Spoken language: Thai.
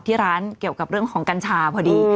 ที่ร้านเกี่ยวกับเรื่องของกัญชาพอดี